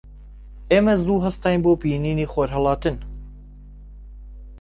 ئێمە زوو هەستاین بۆ بینینی خۆرهەڵاتن.